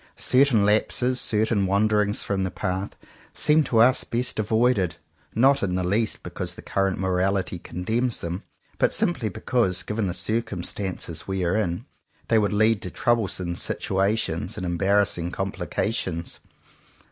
Certain lapses, certain wander ings from the path, seem to us best avoided; not in the least because the current morality condemns them, but simply because, given the circumstances we are in, they would lead to troublesome situations and embarrassing complications.